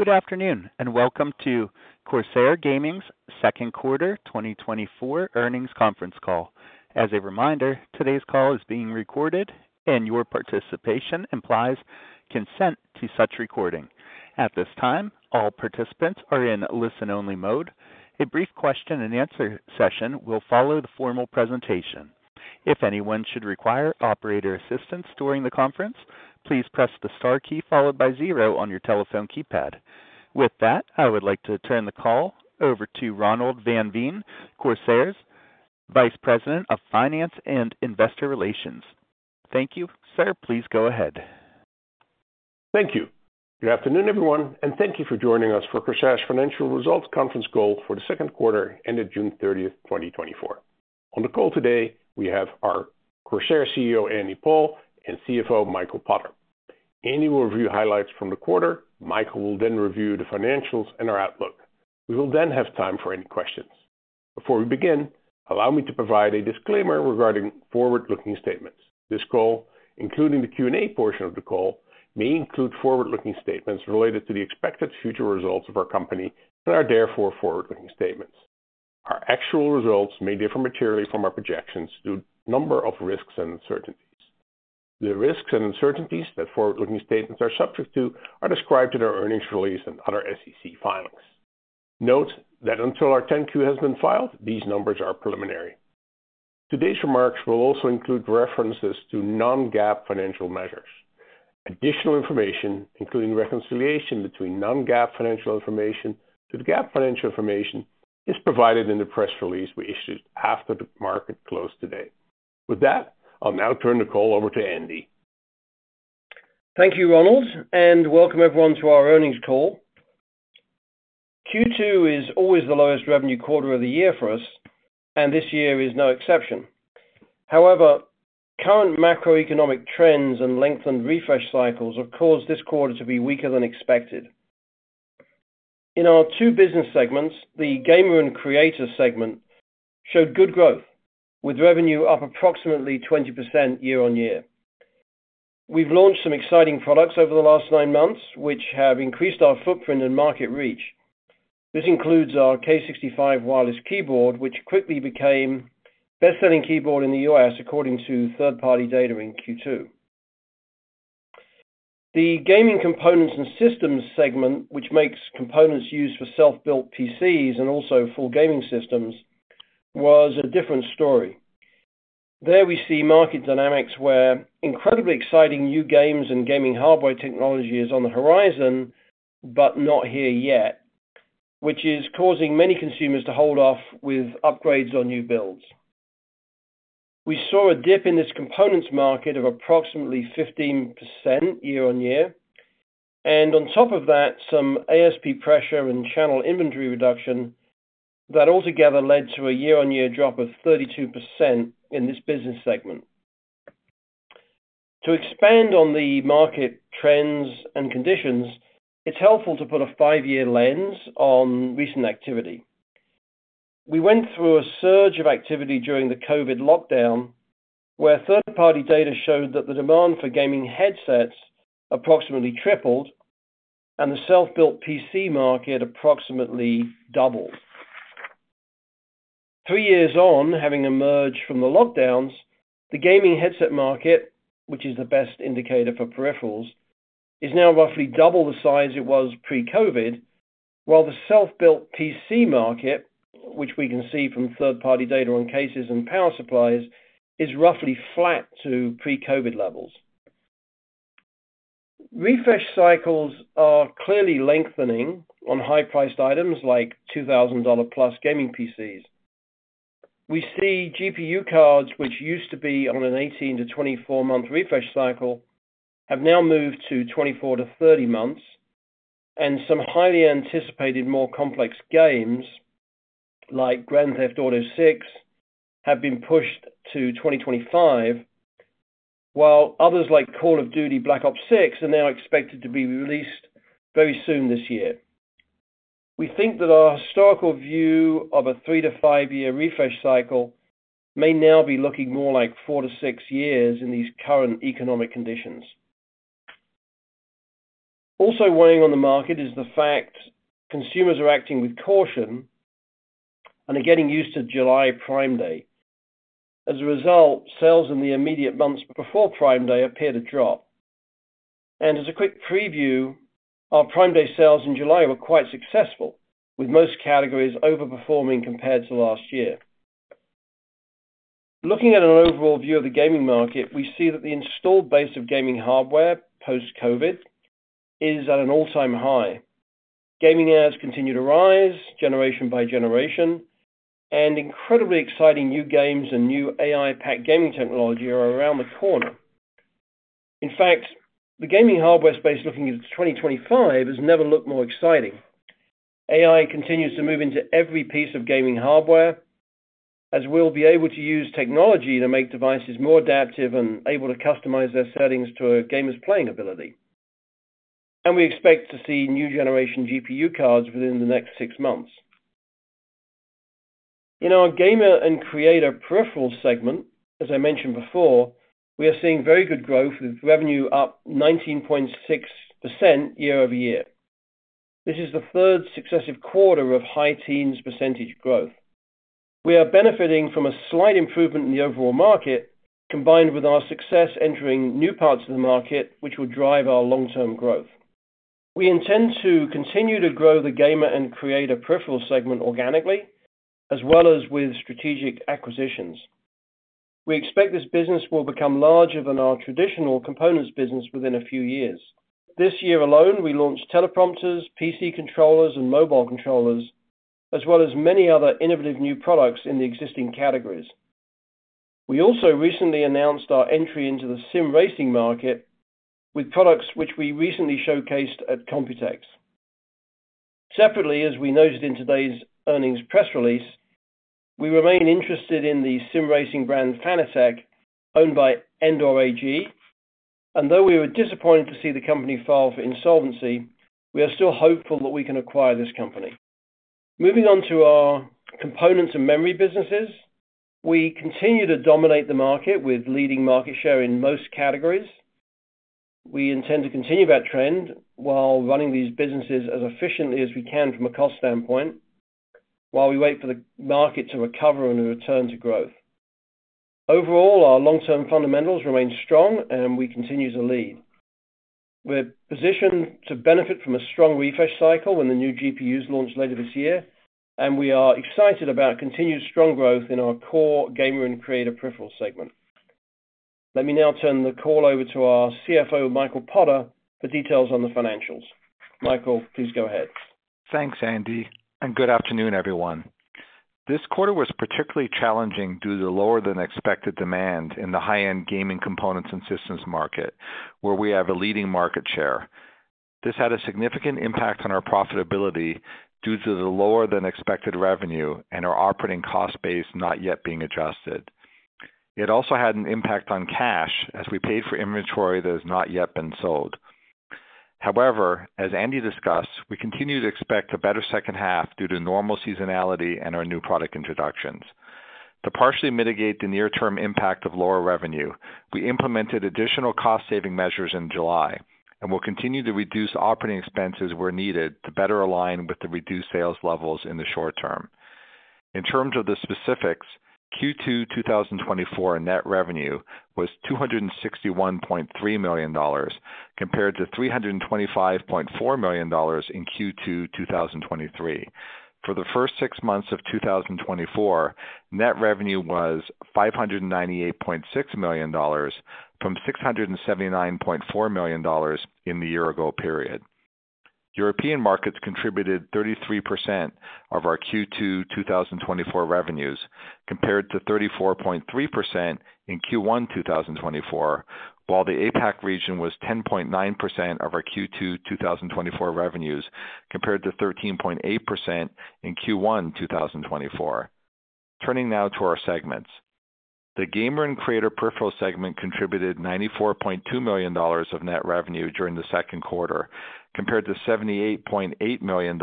Good afternoon and welcome to Corsair Gaming's second quarter 2024 earnings conference call. As a reminder, today's call is being recorded and your participation implies consent to such recording. At this time, all participants are in listen-only mode. A brief question-and-answer session will follow the formal presentation. If anyone should require operator assistance during the conference, please press the star key followed by zero on your telephone keypad. With that, I would like to turn the call over to Ronald van Veen, Corsair's Vice President of Finance and Investor Relations. Thank you, sir. Please go ahead. Thank you. Good afternoon, everyone, and thank you for joining us for Corsair's financial results conference call for the second quarter ended June 30th, 2024. On the call today, we have our Corsair CEO, Andy Paul, and CFO, Michael Potter. Andy will review highlights from the quarter. Michael will then review the financials and our outlook. We will then have time for any questions. Before we begin, allow me to provide a disclaimer regarding forward-looking statements. This call, including the Q&A portion of the call, may include forward-looking statements related to the expected future results of our company and are therefore forward-looking statements. Our actual results may differ materially from our projections due to a number of risks and uncertainties. The risks and uncertainties that forward-looking statements are subject to are described in our earnings release and other SEC filings. Note that until our 10-Q has been filed, these numbers are preliminary. Today's remarks will also include references to non-GAAP financial measures. Additional information, including reconciliation between non-GAAP financial information to the GAAP financial information, is provided in the press release we issued after the market closed today. With that, I'll now turn the call over to Andy. Thank you, Ronald, and welcome everyone to our earnings call. Q2 is always the lowest revenue quarter of the year for us, and this year is no exception. However, current macroeconomic trends and lengthened refresh cycles have caused this quarter to be weaker than expected. In our two business segments, the gamer and creator segment showed good growth, with revenue up approximately 20% year-over-year. We've launched some exciting products over the last nine months, which have increased our footprint and market reach. This includes our K65 Wireless Keyboard, which quickly became the best-selling keyboard in the U.S. according to third-party data in Q2. The gaming components and systems segment, which makes components used for self-built PCs and also full gaming systems, was a different story. There we see market dynamics where incredibly exciting new games and gaming hardware technology is on the horizon, but not here yet, which is causing many consumers to hold off with upgrades on new builds. We saw a dip in this components market of approximately 15% year-over-year, and on top of that, some ASP pressure and channel inventory reduction that altogether led to a year-on-year drop of 32% in this business segment. To expand on the market trends and conditions, it's helpful to put a five-year lens on recent activity. We went through a surge of activity during the COVID lockdown, where third-party data showed that the demand for gaming headsets approximately tripled and the self-built PC market approximately doubled. 3 years on, having emerged from the lockdowns, the gaming headset market, which is the best indicator for peripherals, is now roughly double the size it was pre-COVID, while the self-built PC market, which we can see from third-party data on cases and power supplies, is roughly flat to pre-COVID levels. Refresh cycles are clearly lengthening on high-priced items like $2,000-plus gaming PCs. We see GPU cards, which used to be on an 18-24-month refresh cycle, have now moved to 24-30 months, and some highly anticipated, more complex games like Grand Theft Auto VI have been pushed to 2025, while others like Call of Duty: Black Ops 6 are now expected to be released very soon this year. We think that our historical view of a 3-5-year refresh cycle may now be looking more like 4-6 years in these current economic conditions. Also weighing on the market is the fact consumers are acting with caution and are getting used to July Prime Day. As a result, sales in the immediate months before Prime Day appear to drop. As a quick preview, our Prime Day sales in July were quite successful, with most categories overperforming compared to last year. Looking at an overall view of the gaming market, we see that the installed base of gaming hardware post-COVID is at an all-time high. Gaming hours continue to rise generation by generation, and incredibly exciting new games and new AI-packed gaming technology are around the corner. In fact, the gaming hardware space looking into 2025 has never looked more exciting. AI continues to move into every piece of gaming hardware, as we'll be able to use technology to make devices more adaptive and able to customize their settings to a gamer's playing ability. We expect to see new generation GPU cards within the next six months. In our gamer and creator peripherals segment, as I mentioned before, we are seeing very good growth with revenue up 19.6% year-over-year. This is the third successive quarter of high teens percentage growth. We are benefiting from a slight improvement in the overall market, combined with our success entering new parts of the market, which will drive our long-term growth. We intend to continue to grow the gamer and creator peripheral segment organically, as well as with strategic acquisitions. We expect this business will become larger than our traditional components business within a few years. This year alone, we launched teleprompters, PC controllers, and mobile controllers, as well as many other innovative new products in the existing categories. We also recently announced our entry into the Sim racing market with products which we recently showcased at Computex. Separately, as we noted in today's earnings press release, we remain interested in the SIM racing brand Fanatec, owned by Endor AG. And though we were disappointed to see the company file for insolvency, we are still hopeful that we can acquire this company. Moving on to our components and memory businesses, we continue to dominate the market with leading market share in most categories. We intend to continue that trend while running these businesses as efficiently as we can from a cost standpoint, while we wait for the market to recover and return to growth. Overall, our long-term fundamentals remain strong, and we continue to lead. We're positioned to benefit from a strong refresh cycle when the new GPUs launch later this year, and we are excited about continued strong growth in our core gamer and creator peripheral segment. Let me now turn the call over to our CFO, Michael Potter, for details on the financials. Michael, please go ahead. Thanks, Andy, and good afternoon, everyone. This quarter was particularly challenging due to the lower-than-expected demand in the high-end gaming components and systems market, where we have a leading market share. This had a significant impact on our profitability due to the lower-than-expected revenue and our operating cost base not yet being adjusted. It also had an impact on cash as we paid for inventory that has not yet been sold. However, as Andy discussed, we continue to expect a better second half due to normal seasonality and our new product introductions. To partially mitigate the near-term impact of lower revenue, we implemented additional cost-saving measures in July and will continue to reduce operating expenses where needed to better align with the reduced sales levels in the short term. In terms of the specifics, Q2 2024 net revenue was $261.3 million compared to $325.4 million in Q2 2023. For the first six months of 2024, net revenue was $598.6 million from $679.4 million in the year-ago period. European markets contributed 33% of our Q2 2024 revenues compared to 34.3% in Q1 2024, while the APAC region was 10.9% of our Q2 2024 revenues compared to 13.8% in Q1 2024. Turning now to our segments, the gamer and creator peripheral segment contributed $94.2 million of net revenue during the second quarter compared to $78.8 million in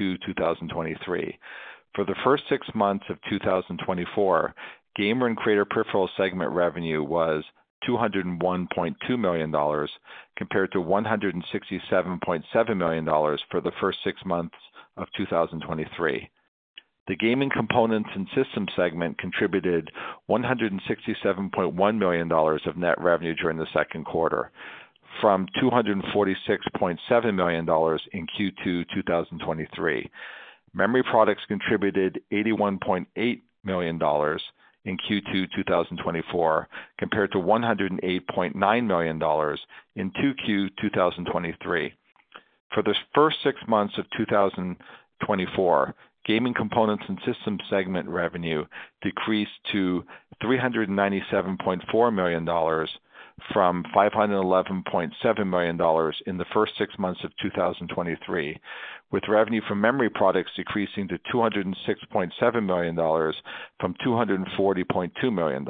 Q2 2023. For the first six months of 2024, gamer and creator peripheral segment revenue was $201.2 million compared to $167.7 million for the first six months of 2023. The gaming components and systems segment contributed $167.1 million of net revenue during the second quarter from $246.7 million in Q2 2023. Memory products contributed $81.8 million in Q2 2024 compared to $108.9 million in Q2 2023. For the first six months of 2024, gaming components and systems segment revenue decreased to $397.4 million from $511.7 million in the first six months of 2023, with revenue from memory products decreasing to $206.7 million from $240.2 million.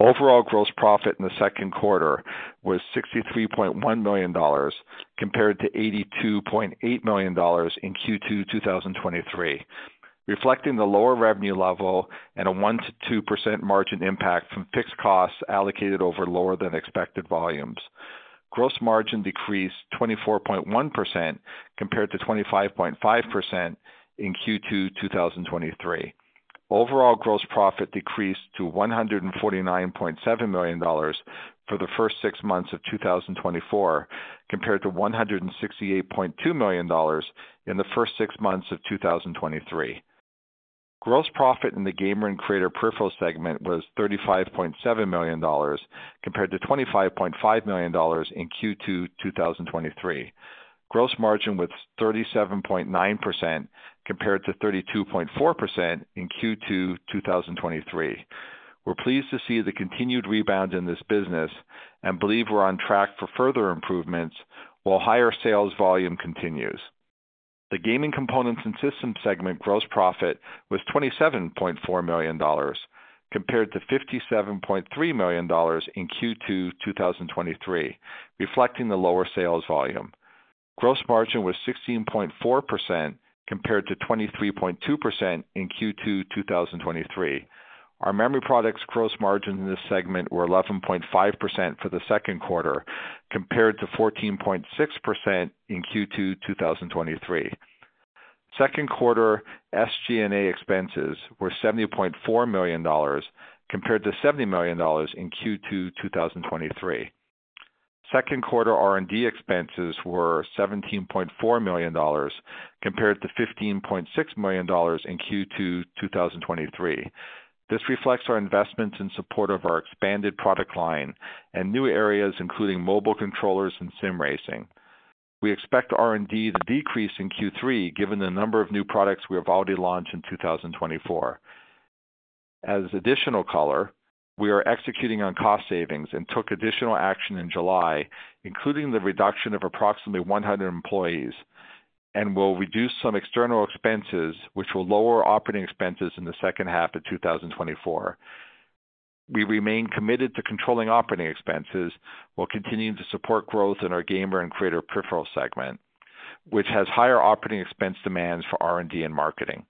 Overall gross profit in the second quarter was $63.1 million compared to $82.8 million in Q2 2023, reflecting the lower revenue level and a 1-2% margin impact from fixed costs allocated over lower-than-expected volumes. Gross margin decreased 24.1% compared to 25.5% in Q2 2023. Overall gross profit decreased to $149.7 million for the first six months of 2024 compared to $168.2 million in the first six months of 2023. Gross profit in the gamer and creator peripheral segment was $35.7 million compared to $25.5 million in Q2 2023. Gross margin was 37.9% compared to 32.4% in Q2 2023. We're pleased to see the continued rebound in this business and believe we're on track for further improvements while higher sales volume continues. The gaming components and systems segment gross profit was $27.4 million compared to $57.3 million in Q2 2023, reflecting the lower sales volume. Gross margin was 16.4% compared to 23.2% in Q2 2023. Our memory products gross margin in this segment were 11.5% for the second quarter compared to 14.6% in Q2 2023. Second quarter SG&A expenses were $70.4 million compared to $70 million in Q2 2023. Second quarter R&D expenses were $17.4 million compared to $15.6 million in Q2 2023. This reflects our investments in support of our expanded product line and new areas including mobile controllers and SIM racing. We expect R&D to decrease in Q3 given the number of new products we have already launched in 2024. As additional color, we are executing on cost savings and took additional action in July, including the reduction of approximately 100 employees, and we'll reduce some external expenses, which will lower operating expenses in the second half of 2024. We remain committed to controlling operating expenses while continuing to support growth in our gamer and creator peripheral segment, which has higher operating expense demands for R&D and marketing.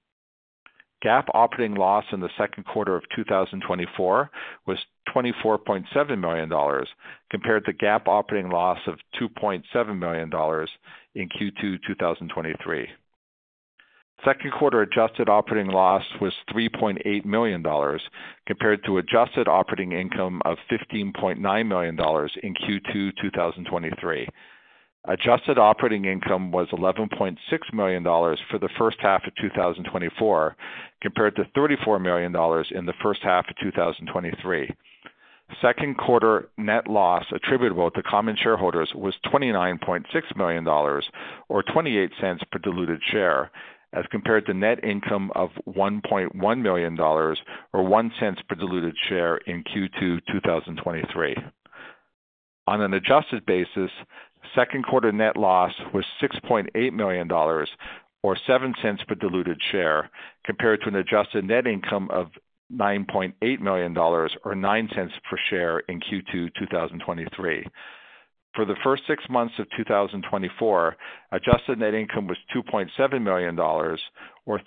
GAAP operating loss in the second quarter of 2024 was $24.7 million compared to GAAP operating loss of $2.7 million in Q2 2023. Second quarter adjusted operating loss was $3.8 million compared to adjusted operating income of $15.9 million in Q2 2023. Adjusted operating income was $11.6 million for the first half of 2024 compared to $34 million in the first half of 2023. Second quarter net loss attributable to common shareholders was $29.6 million or $0.28 per diluted share as compared to net income of $1.1 million or $0.01 per diluted share in Q2 2023. On an adjusted basis, second quarter net loss was $6.8 million or $0.07 per diluted share compared to an adjusted net income of $9.8 million or $0.09 per share in Q2 2023. For the first six months of 2024, adjusted net income was $2.7 million or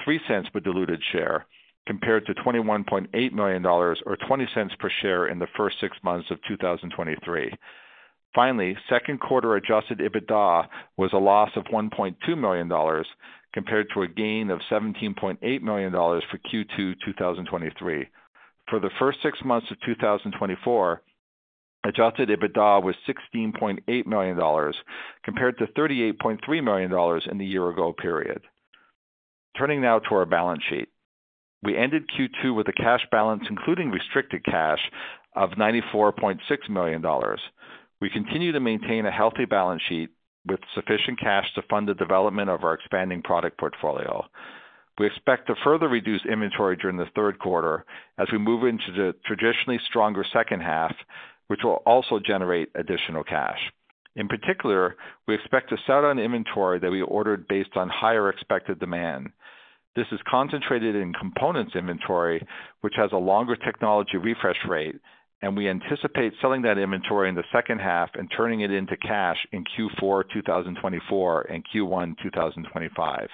$0.03 per diluted share compared to $21.8 million or $0.20 per share in the first six months of 2023. Finally, second quarter adjusted EBITDA was a loss of $1.2 million compared to a gain of $17.8 million for Q2 2023. For the first six months of 2024, adjusted EBITDA was $16.8 million compared to $38.3 million in the year-ago period. Turning now to our balance sheet, we ended Q2 with a cash balance including restricted cash of $94.6 million. We continue to maintain a healthy balance sheet with sufficient cash to fund the development of our expanding product portfolio. We expect to further reduce inventory during the third quarter as we move into the traditionally stronger second half, which will also generate additional cash. In particular, we expect to sell on inventory that we ordered based on higher expected demand. This is concentrated in components inventory, which has a longer technology refresh rate, and we anticipate selling that inventory in the second half and turning it into cash in Q4 2024 and Q1 2025.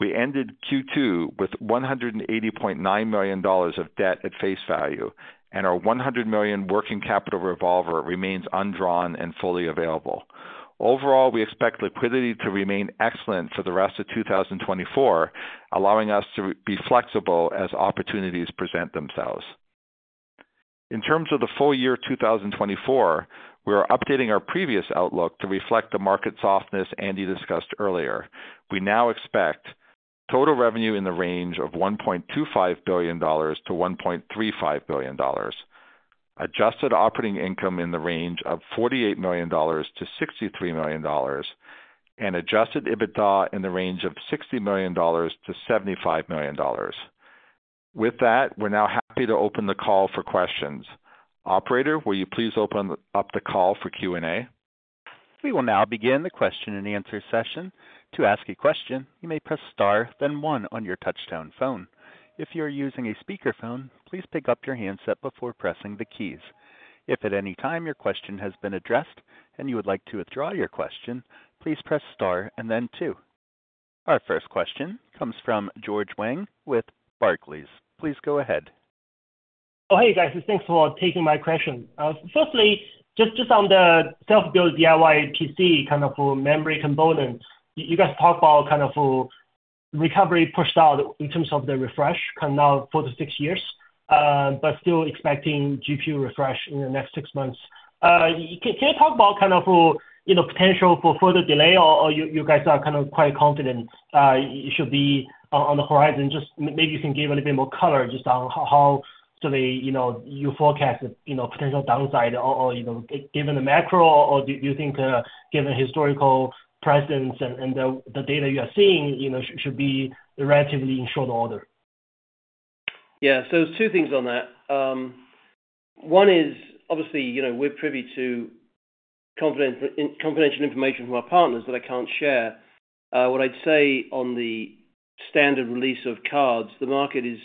We ended Q2 with $180.9 million of debt at face value, and our $100 million working capital revolver remains undrawn and fully available. Overall, we expect liquidity to remain excellent for the rest of 2024, allowing us to be flexible as opportunities present themselves. In terms of the full year 2024, we are updating our previous outlook to reflect the market softness Andy discussed earlier. We now expect total revenue in the range of $1.25 billion-$1.35 billion, adjusted operating income in the range of $48 million-$63 million, and adjusted EBITDA in the range of $60 million-$75 million. With that, we're now happy to open the call for questions. Operator, will you please open up the call for Q&A? We will now begin the question and answer session. To ask a question, you may press star, then one on your touch-tone phone. If you are using a speakerphone, please pick up your handset before pressing the keys. If at any time your question has been addressed and you would like to withdraw your question, please press star and then two. Our first question comes from George Wang with Barclays. Please go ahead. Oh, hey, guys. Thanks for taking my question. Firstly, just on the self-built DIY PC kind of memory component, you guys talked about kind of recovery pushed out in terms of the refresh for the next six years, but still expecting GPU refresh in the next six months. Can you talk about kind of potential for further delay, or you guys are kind of quite confident it should be on the horizon? Just maybe you can give a little bit more color just on how sort of you forecast the potential downside, given the macro, or do you think given historical precedence and the data you are seeing should be relatively in short order? Yeah, so there's two things on that. One is, obviously, we're privy to confidential information from our partners that I can't share. What I'd say on the standard release of cards, the market is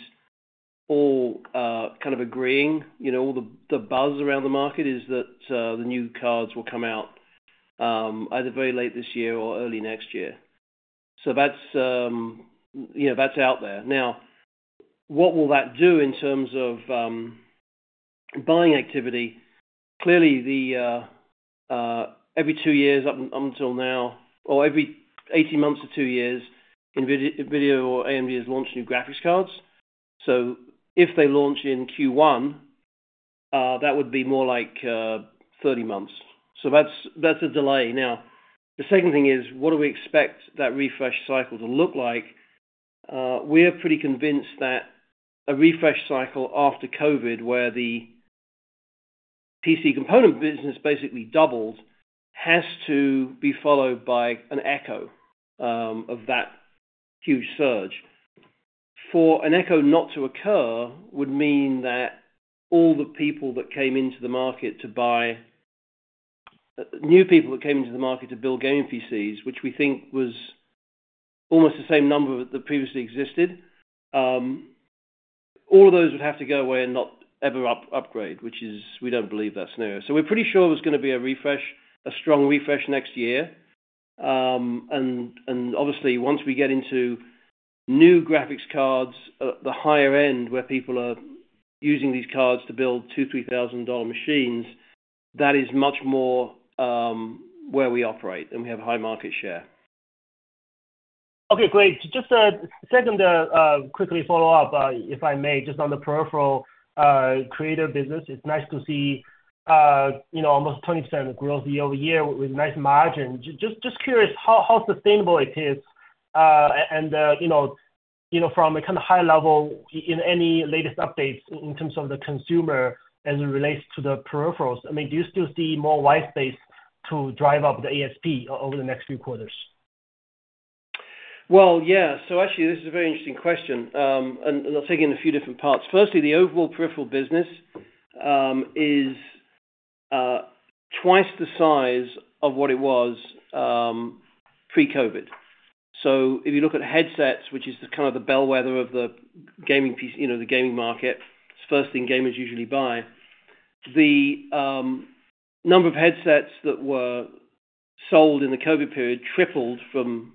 all kind of agreeing. All the buzz around the market is that the new cards will come out either very late this year or early next year. So that's out there. Now, what will that do in terms of buying activity? Clearly, every two years up until now, or every 18 months to two years, NVIDIA or AMD has launched new graphics cards. So if they launch in Q1, that would be more like 30 months. So that's a delay. Now, the second thing is, what do we expect that refresh cycle to look like? We are pretty convinced that a refresh cycle after COVID, where the PC component business basically doubled, has to be followed by an echo of that huge surge. For an echo not to occur would mean that all the people that came into the market to buy, new people that came into the market to build gaming PCs, which we think was almost the same number that previously existed, all of those would have to go away and not ever upgrade, which we don't believe that's new. So we're pretty sure there's going to be a refresh, a strong refresh next year. And obviously, once we get into new graphics cards, the higher end where people are using these cards to build $2,000, $3,000 machines, that is much more where we operate, and we have a high market share. Okay, great. Just a second, quick follow-up, if I may, just on the peripheral creator business. It's nice to see almost 20% growth year-over-year with nice margin. Just curious how sustainable it is. From a kind of high level, any latest updates in terms of the consumer as it relates to the peripherals? I mean, do you still see more white space to drive up the ASP over the next few quarters? Well, yeah. So actually, this is a very interesting question. And I'll take it in a few different parts. Firstly, the overall peripheral business is twice the size of what it was pre-COVID. So if you look at headsets, which is kind of the bellwether of the gaming market, it's the first thing gamers usually buy. The number of headsets that were sold in the COVID period tripled from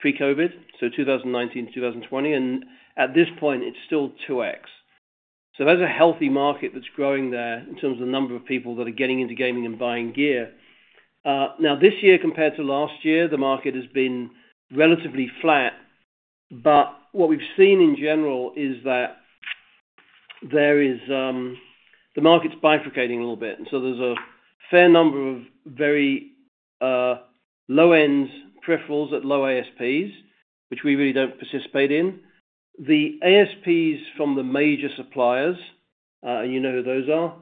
pre-COVID, so 2019 to 2020. And at this point, it's still 2x. So that's a healthy market that's growing there in terms of the number of people that are getting into gaming and buying gear. Now, this year compared to last year, the market has been relatively flat. But what we've seen in general is that the market's bifurcating a little bit. And so there's a fair number of very low-end peripherals at low ASPs, which we really don't participate in. The ASPs from the major suppliers, and you know who those are,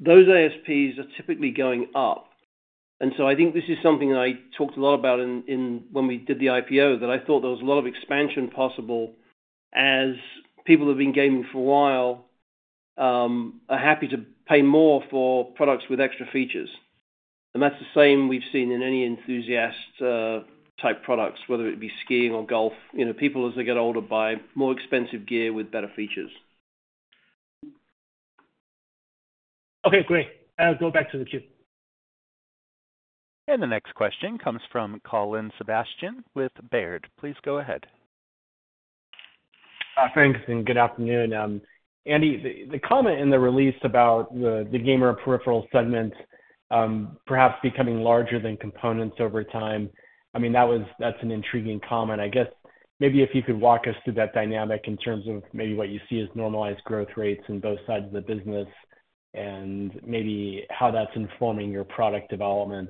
those ASPs are typically going up. And so I think this is something that I talked a lot about when we did the IPO, that I thought there was a lot of expansion possible as people who have been gaming for a while are happy to pay more for products with extra features. And that's the same we've seen in any enthusiast-type products, whether it be skiing or golf. People, as they get older, buy more expensive gear with better features. Okay, great. I'll go back to the queue. The next question comes from Colin Sebastian with Baird. Please go ahead. Thanks, and good afternoon. Andy, the comment in the release about the gamer peripheral segment perhaps becoming larger than components over time, I mean, that's an intriguing comment. I guess maybe if you could walk us through that dynamic in terms of maybe what you see as normalized growth rates on both sides of the business and maybe how that's informing your product development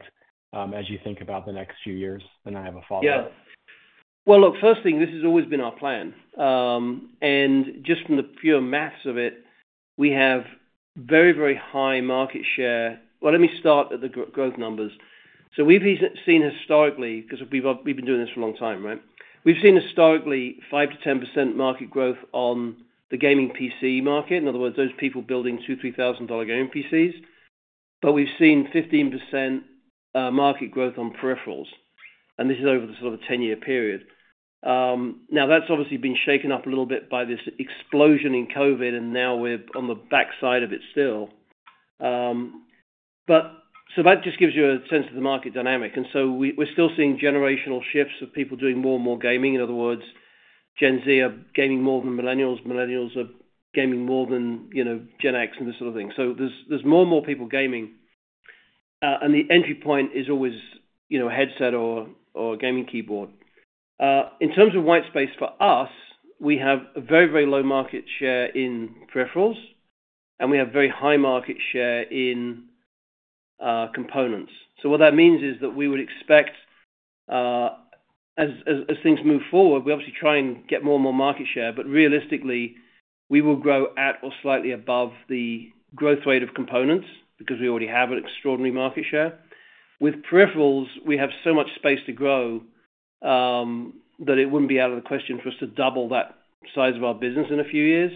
as you think about the next few years. And I have a follow-up. Yeah. Well, look, first thing, this has always been our plan. Just from the pure math of it, we have very, very high market share. Well, let me start at the growth numbers. So we've seen historically, because we've been doing this for a long time, right? We've seen historically 5%-10% market growth on the gaming PC market, in other words, those people building $2,000, $3,000 gaming PCs. But we've seen 15% market growth on peripherals. And this is over the sort of 10-year period. Now, that's obviously been shaken up a little bit by this explosion in COVID, and now we're on the backside of it still. But so that just gives you a sense of the market dynamic. And so we're still seeing generational shifts of people doing more and more gaming. In other words, Gen Z are gaming more than millennials. Millennials are gaming more than Gen X and this sort of thing. So there's more and more people gaming. And the entry point is always a headset or a gaming keyboard. In terms of white space for us, we have a very, very low market share in peripherals, and we have very high market share in components. So what that means is that we would expect, as things move forward, we obviously try and get more and more market share, but realistically, we will grow at or slightly above the growth rate of components because we already have an extraordinary market share. With peripherals, we have so much space to grow that it wouldn't be out of the question for us to double that size of our business in a few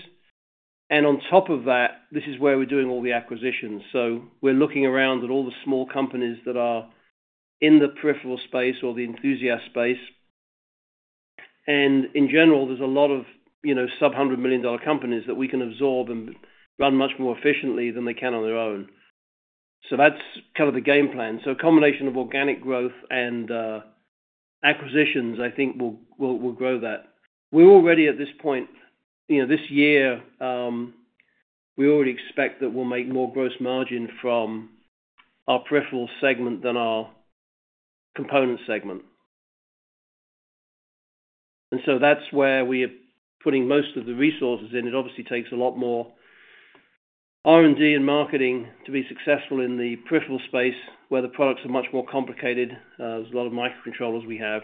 years. And on top of that, this is where we're doing all the acquisitions. So we're looking around at all the small companies that are in the peripheral space or the enthusiast space. In general, there's a lot of sub-$100 million companies that we can absorb and run much more efficiently than they can on their own. That's kind of the game plan. A combination of organic growth and acquisitions, I think, will grow that. We're already at this point, this year, we already expect that we'll make more gross margin from our peripheral segment than our component segment. That's where we are putting most of the resources in. It obviously takes a lot more R&D and marketing to be successful in the peripheral space, where the products are much more complicated. There's a lot of microcontrollers we have.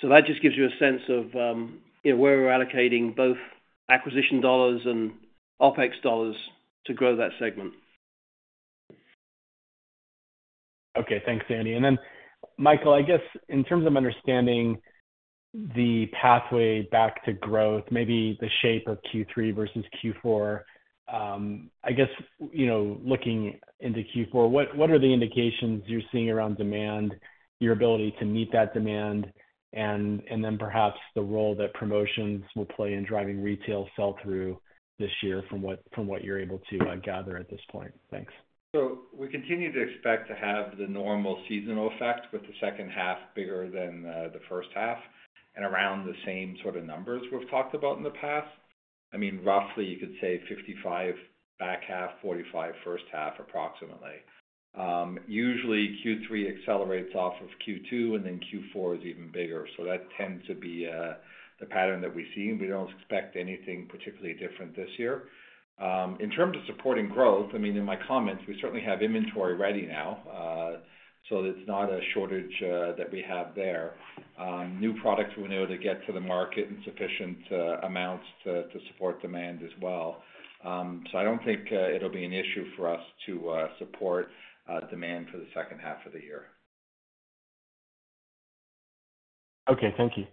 So that just gives you a sense of where we're allocating both acquisition dollars and OPEX dollars to grow that segment. Okay, thanks, Andy. And then, Michael, I guess in terms of understanding the pathway back to growth, maybe the shape of Q3 versus Q4, I guess looking into Q4, what are the indications you're seeing around demand, your ability to meet that demand, and then perhaps the role that promotions will play in driving retail sell-through this year from what you're able to gather at this point? Thanks. We continue to expect to have the normal seasonal effect with the second half bigger than the first half and around the same sort of numbers we've talked about in the past. I mean, roughly, you could say 55 back half, 45 first half, approximately. Usually, Q3 accelerates off of Q2, and then Q4 is even bigger. That tends to be the pattern that we see. We don't expect anything particularly different this year. In terms of supporting growth, I mean, in my comments, we certainly have inventory ready now, so it's not a shortage that we have there. New products we're going to be able to get to the market in sufficient amounts to support demand as well. I don't think it'll be an issue for us to support demand for the second half of the year. Okay, thank you.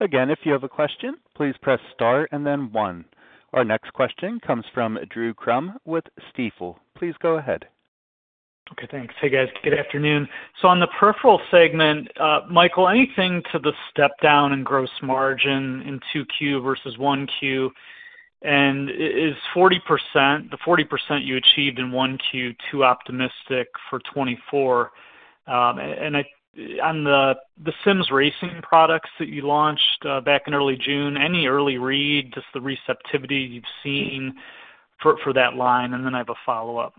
Again, if you have a question, please press star and then one. Our next question comes from Drew Crum with Stifel. Please go ahead. Okay, thanks. Hey, guys. Good afternoon. So on the peripheral segment, Michael, anything to the step-down and gross margin in 2Q versus 1Q? And is the 40% you achieved in 1Q too optimistic for 2024? And on the SIM racing products that you launched back in early June, any early read, just the receptivity you've seen for that line? And then I have a follow-up.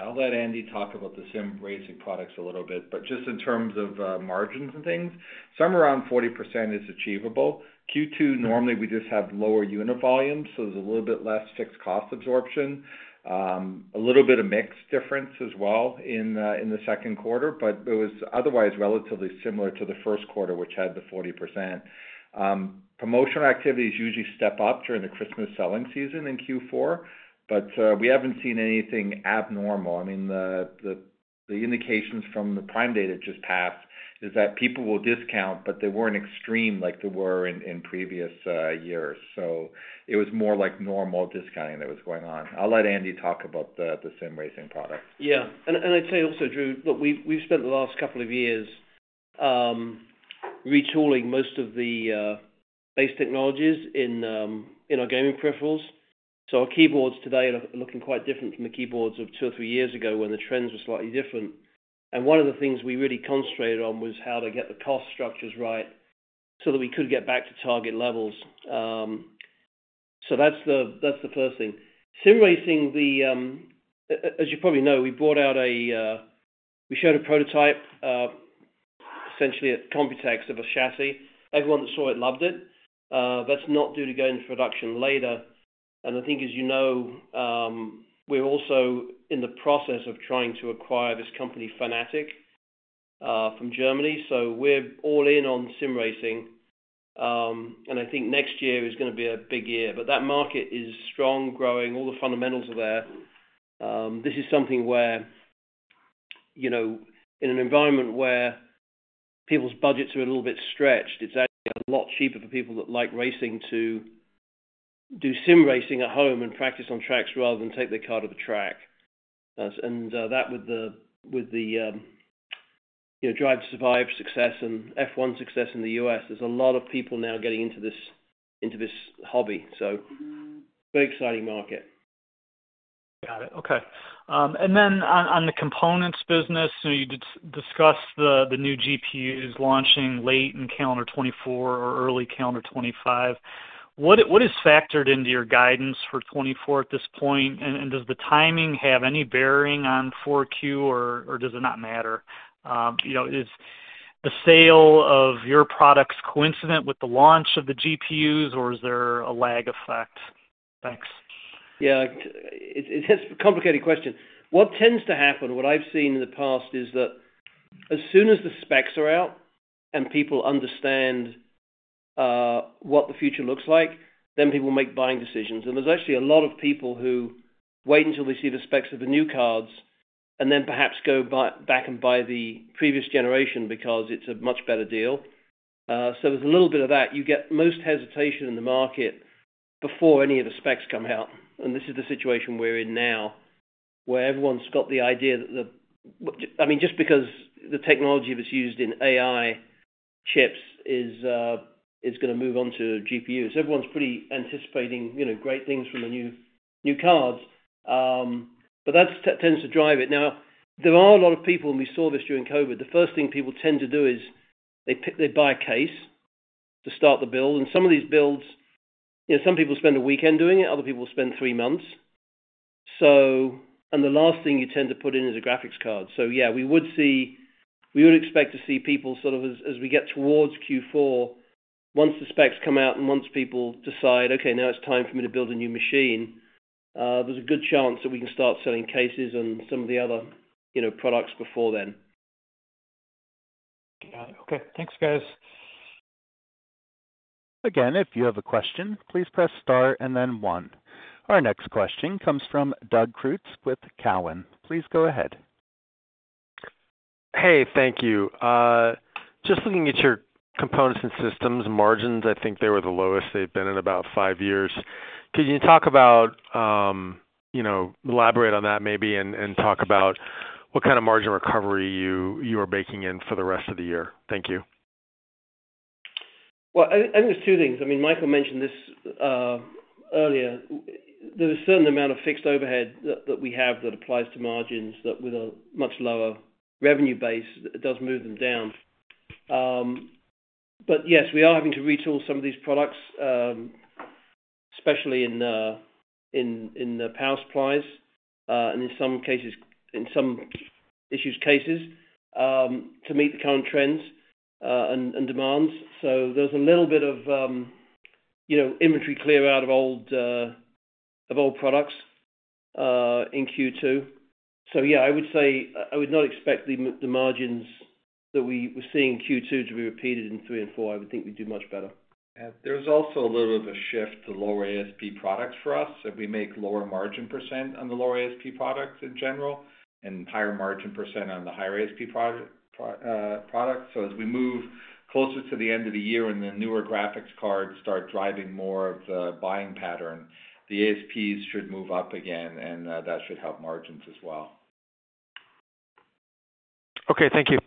I'll let Andy talk about the SIM racing products a little bit. But just in terms of margins and things, somewhere around 40% is achievable. Q2, normally, we just have lower unit volumes, so there's a little bit less fixed cost absorption, a little bit of mixed difference as well in the second quarter, but it was otherwise relatively similar to the first quarter, which had the 40%. Promotional activities usually step up during the Christmas selling season in Q4, but we haven't seen anything abnormal. I mean, the indications from the Prime Day just passed is that people will discount, but they weren't extreme like they were in previous years. So it was more like normal discounting that was going on. I'll let Andy talk about the SIM racing products. Yeah. And I'd say also, Drew, look, we've spent the last couple of years retooling most of the base technologies in our gaming peripherals. So our keyboards today are looking quite different from the keyboards of two or three years ago when the trends were slightly different. And one of the things we really concentrated on was how to get the cost structures right so that we could get back to target levels. So that's the first thing. SIM racing, as you probably know, we showed a prototype, essentially at Computex of a chassis. Everyone that saw it loved it. That's not due to go into production later. And I think, as you know, we're also in the process of trying to acquire this company, Fanatec, from Germany. So we're all in on SIM racing. I think next year is going to be a big year. That market is strong, growing. All the fundamentals are there. This is something where, in an environment where people's budgets are a little bit stretched, it's actually a lot cheaper for people that like racing to do SIM Racing at home and practice on tracks rather than take their car to the track. And that, with the Drive to Survive success and F1 success in the U.S., there's a lot of people now getting into this hobby. Very exciting market. Got it. Okay. And then on the components business, you discussed the new GPUs launching late in calendar 2024 or early calendar 2025. What is factored into your guidance for 2024 at this point? And does the timing have any bearing on 4Q, or does it not matter? Is the sale of your products coincident with the launch of the GPUs, or is there a lag effect? Thanks. Yeah. It's a complicated question. What tends to happen, what I've seen in the past, is that as soon as the specs are out and people understand what the future looks like, then people make buying decisions. And there's actually a lot of people who wait until they see the specs of the new cards and then perhaps go back and buy the previous generation because it's a much better deal. So there's a little bit of that. You get most hesitation in the market before any of the specs come out. And this is the situation we're in now, where everyone's got the idea that the I mean, just because the technology that's used in AI chips is going to move on to GPUs. Everyone's pretty anticipating great things from the new cards. But that tends to drive it. Now, there are a lot of people, and we saw this during COVID. The first thing people tend to do is they buy a case to start the build. And some of these builds, some people spend a weekend doing it. Other people spend three months. And the last thing you tend to put in is a graphics card. So yeah, we would expect to see people sort of, as we get towards Q4, once the specs come out and once people decide, "Okay, now it's time for me to build a new machine," there's a good chance that we can start selling cases and some of the other products before then. Got it. Okay. Thanks, guys. Again, if you have a question, please press star and then one. Our next question comes from Doug Creutz with Cowen. Please go ahead. Hey, thank you. Just looking at your components and systems margins, I think they were the lowest they've been in about five years. Could you talk about, elaborate on that maybe, and talk about what kind of margin recovery you are baking in for the rest of the year? Thank you. Well, I think there's two things. I mean, Michael mentioned this earlier. There's a certain amount of fixed overhead that we have that applies to margins that, with a much lower revenue base, it does move them down. But yes, we are having to retool some of these products, especially in power supplies and, in some cases, in some iCUE cases, to meet the current trends and demands. So there's a little bit of inventory clear out of old products in Q2. So yeah, I would say I would not expect the margins that we were seeing Q2 to be repeated in three and four. I would think we'd do much better. There's also a little bit of a shift to lower ASP products for us. We make lower margin % on the lower ASP products in general and higher margin % on the higher ASP products. So as we move closer to the end of the year and the newer graphics cards start driving more of the buying pattern, the ASPs should move up again, and that should help margins as well. Okay. Thank you.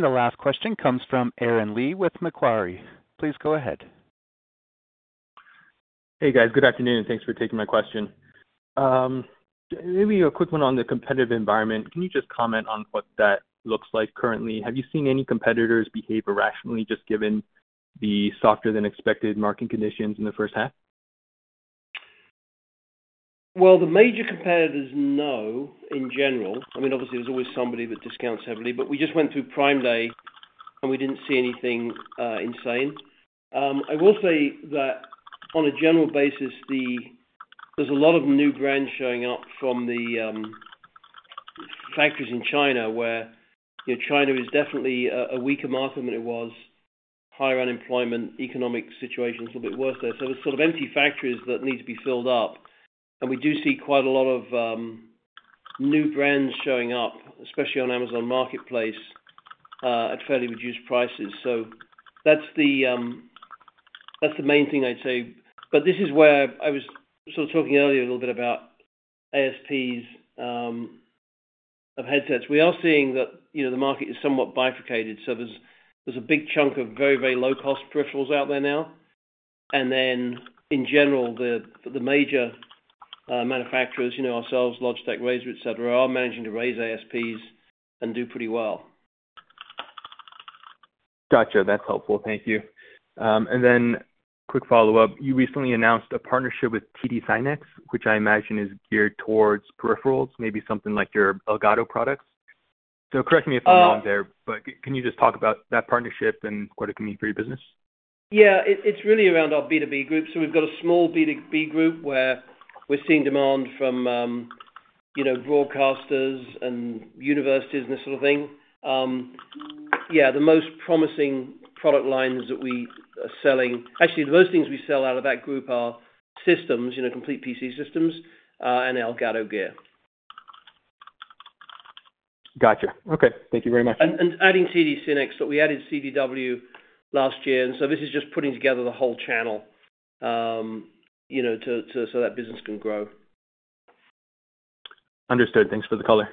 The last question comes from Aaron Lee with Macquarie. Please go ahead. Hey, guys. Good afternoon. Thanks for taking my question. Maybe a quick one on the competitive environment. Can you just comment on what that looks like currently? Have you seen any competitors behave irrationally just given the softer-than-expected market conditions in the first half? Well, the major competitors, no, in general. I mean, obviously, there's always somebody that discounts heavily. But we just went through Prime Day, and we didn't see anything insane. I will say that, on a general basis, there's a lot of new brands showing up from the factories in China where China is definitely a weaker market than it was, higher unemployment, economic situation's a little bit worse there. So there's sort of empty factories that need to be filled up. And we do see quite a lot of new brands showing up, especially on Amazon Marketplace, at fairly reduced prices. So that's the main thing I'd say. But this is where I was sort of talking earlier a little bit about ASPs of headsets. We are seeing that the market is somewhat bifurcated. So there's a big chunk of very, very low-cost peripherals out there now. In general, the major manufacturers, ourselves, Logitech, Razer, etc., are managing to raise ASPs and do pretty well. Gotcha. That's helpful. Thank you. And then quick follow-up. You recently announced a partnership with TD SYNNEX, which I imagine is geared towards peripherals, maybe something like your Elgato products. So correct me if I'm wrong there, but can you just talk about that partnership and what it can mean for your business? Yeah. It's really around our B2B group. So we've got a small B2B group where we're seeing demand from broadcasters and universities and this sort of thing. Yeah, the most promising product lines that we are selling actually, the most things we sell out of that group are systems, complete PC systems, and Elgato gear. Gotcha. Okay. Thank you very much. Adding TD SYNNEX. We added CDW last year. And so this is just putting together the whole channel so that business can grow. Understood. Thanks for the color.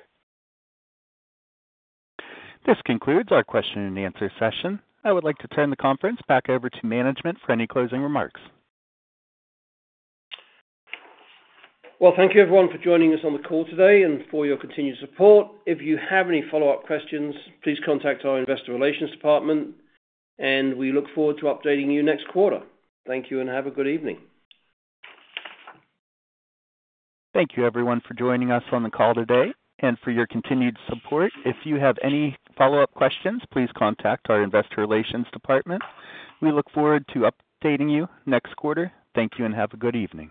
This concludes our question-and-answer session. I would like to turn the conference back over to management for any closing remarks. Well, thank you, everyone, for joining us on the call today and for your continued support. If you have any follow-up questions, please contact our investor relations department, and we look forward to updating you next quarter. Thank you and have a good evening. Thank you, everyone, for joining us on the call today and for your continued support. If you have any follow-up questions, please contact our investor relations department. We look forward to updating you next quarter. Thank you and have a good evening.